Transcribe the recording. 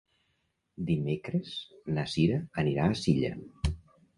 Dimecres na Cira anirà a Silla.